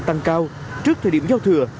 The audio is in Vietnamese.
tăng cao trước thời điểm giao thừa